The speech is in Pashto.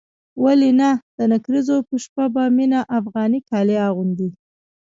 ولې نه د نکريزو په شپه به مينه افغاني کالي اغوندي.